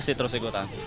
pasti terus ikutan